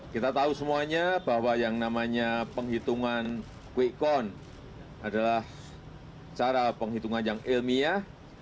kita tahu semuanya bahwa yang namanya penghitungan quick count adalah cara penghitungan yang ilmiah